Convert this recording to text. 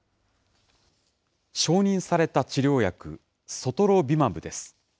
承認された治療薬、ソトロビマブです。